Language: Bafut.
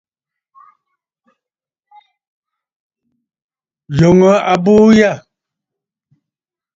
Yòŋə abuu yâ.